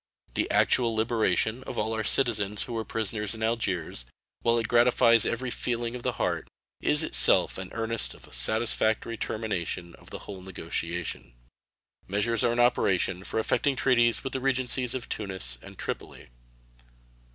The actual liberation of all our citizens who were prisoners in Algiers, while it gratifies every feeling of heart, is itself an earnest of a satisfactory termination of the whole negotiation. Measures are in operation for effecting treaties with the Regencies of Tunis and Tripoli.